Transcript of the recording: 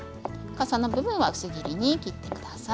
かさの部分は薄切りに切ってください。